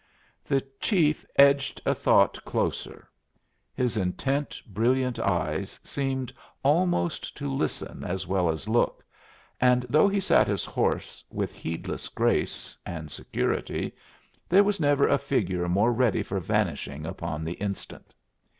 The chief edged a thought closer. His intent, brilliant eyes seemed almost to listen as well as look, and though he sat his horse with heedless grace and security, there was never a figure more ready for vanishing upon the instant.